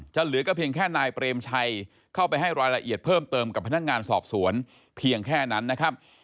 เหลือก็เพียงแค่นายเปรมชัยเข้าไปให้รายละเอียดเพิ่มเติมกับพนักงานสอบสวนเพียงแค่นั้นนะครับ